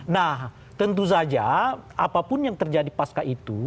nah tentu saja apapun yang terjadi pasca itu